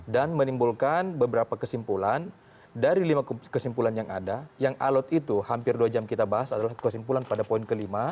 menimbulkan beberapa kesimpulan dari lima kesimpulan yang ada yang alot itu hampir dua jam kita bahas adalah kesimpulan pada poin kelima